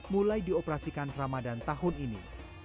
mulai dioperasikan ramadan tahun ini